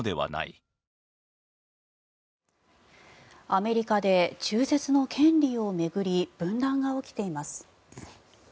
アメリカで中絶の権利を巡り分断が起きています。